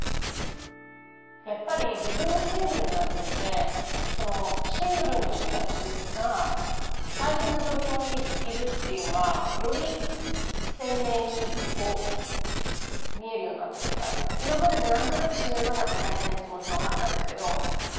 やっぱり自分がシングルになってみてシングルの人たちが大変な状況にいるっていうのがより鮮明に見えるようになったというか今までも何となくシングルマザーって大変ってもちろんあったんですけどあっ